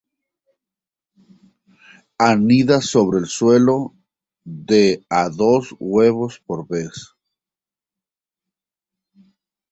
Anida sobre el suelo, de a dos huevos por vez.